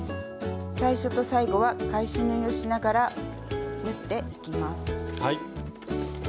最初と最後は返し縫いをしながら縫っていきます。